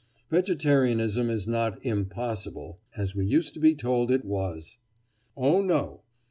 Vegetarianism is not "impossible" (as we used to be told it was)! Oh, no!